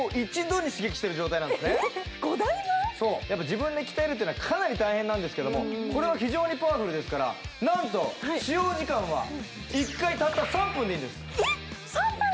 自分で鍛えるっていうのはかなり大変なんですけどこれは非常にパワフルですから、なんと、使用時間は１回たった３分でいいんです。